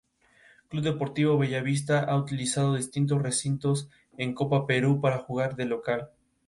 Bernhard Riemann asistió a sus clases sobre funciones elípticas.